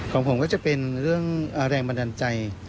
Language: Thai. ของผมก็จะเป็นเรื่องแรงบันดาลใจ